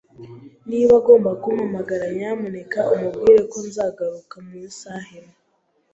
Niba agomba kumpamagara, nyamuneka umubwire ko nzagaruka mu isaha imwe.